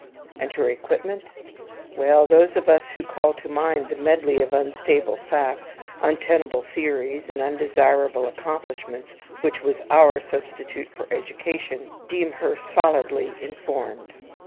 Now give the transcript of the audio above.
And her equipment? Well, those of us who call to mind the medley of unstable facts, untenable theories, and undesirable accomplishments, which was our substitute for education, deem her solidly informed.